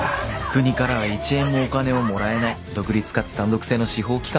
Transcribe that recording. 国からは一円もお金をもらえない独立かつ単独制の司法機関。